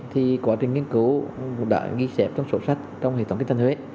thì quá trình nghiên cứu đã ghi xếp trong sổ sách trong hệ thống kinh tăng huế